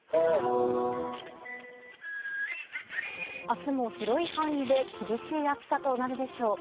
明日も広い範囲で厳しい暑さとなるでしょう。